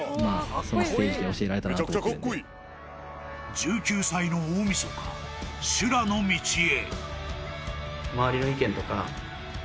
［１９歳の大晦日修羅の道へ］